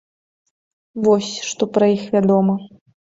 Вось, што пра іх вядома.